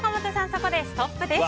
そこでストップです。